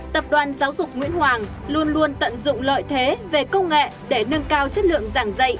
tập đoàn giáo dục nguyễn hoàng luôn luôn tận dụng lợi thế về công nghệ để nâng cao chất lượng giảng dạy